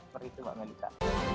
seperti itu pak melita